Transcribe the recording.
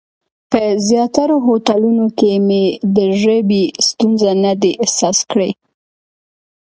په زیاترو هوټلونو کې مې د ژبې ستونزه نه ده احساس کړې.